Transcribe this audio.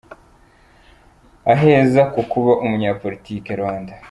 Aheza ku kuba umunya politiki : Rwanda.